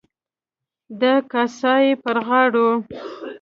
د کاسای پر غاړو.